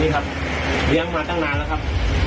เลี้ยงมาตั้งนานแล้วครับ